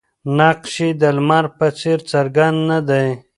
نقش یې د لمر په څېر څرګند نه دی.